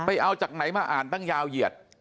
เอาจากไหนมาอ่านตั้งยาวเหยียด